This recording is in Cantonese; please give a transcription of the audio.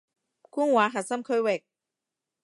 官話核心區域